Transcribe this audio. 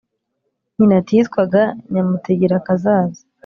Nyina ati: "Yitwaga Nyamutegerakazaza.